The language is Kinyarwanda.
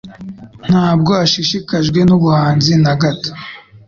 Ntabwo ashishikajwe nubuhanzi na gato.